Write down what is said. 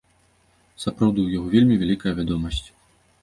Сапраўды, у яго вельмі вялікая вядомасць.